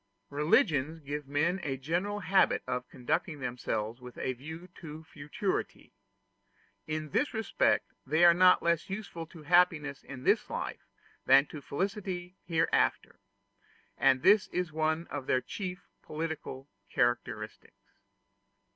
Religions give men a general habit of conducting themselves with a view to futurity: in this respect they are not less useful to happiness in this life than to felicity hereafter; and this is one of their chief political characteristics.